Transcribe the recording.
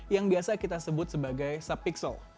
yang biasa kita sebut sebagai subpixel